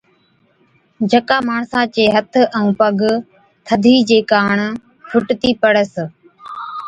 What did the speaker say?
جڪا ماڻسا چي هٿ ائُون پگ ٿڌِي چي ڪاڻ ڪتِي ڦُٽتِي پڙس